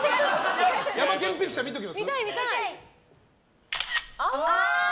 ヤマケン・ピクチャー見ときます？